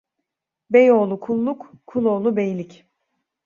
Bey oğlu kulluk, kul oğlu beylik.